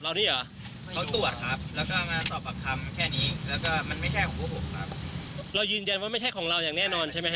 เรายืนยันว่าไม่ใช่ของเราอย่างแน่นอนใช่ไหมฮ